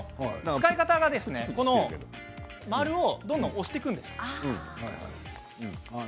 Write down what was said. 使い方は丸いところをどんどん押していくんです。